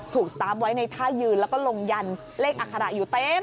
ถูกตั๊ะไว้ในท่ายืนแล้วก็โรงยานเลขอัคระอยู่เต็ม